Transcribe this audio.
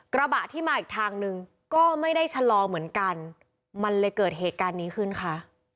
กระบะที่มาอีกทางนึงก็ไม่ได้ชะลอเหมือนกันมันเลยเกิดเหตุการณ์นี้ขึ้นค่ะ